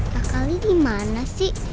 bakali gimana sih